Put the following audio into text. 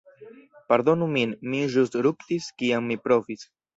Pardonu min, mi ĵus ruktis kiam mi provis.